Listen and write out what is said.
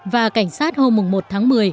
và cảnh sát hôm một tháng một mươi